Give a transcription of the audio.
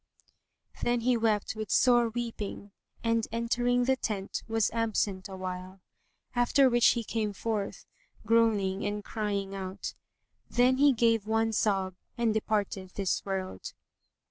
Then he wept with sore weeping and, entering the tent, was absent awhile, after which he came forth, groaning and crying out. Then he gave one sob and departed this world.